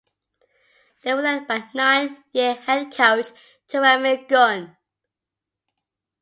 They were led by ninth year head coach Jeremy Gunn.